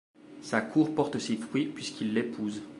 Sa cour porte ses fruits puisqu'il l'épouse.